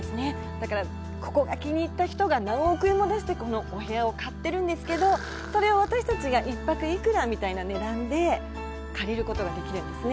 だから、ここを気に入った人が何十億円も出してこのお部屋を買ってるんですけど、それを私たちが一泊幾らみたいな値段で借りることができるんですね。